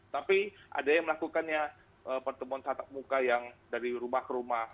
tapi ada yang melakukannya pertemuan tatap muka yang dari rumah ke rumah